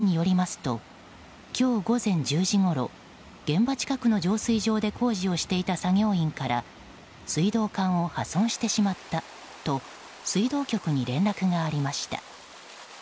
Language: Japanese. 警察や横浜市によりますと今日午前１０時ごろ現場近くの浄水場で工事をしていた作業員から水道管を破損してしまったと水道局に連絡がありました。